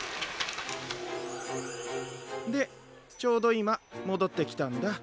でちょうどいまもどってきたんだ。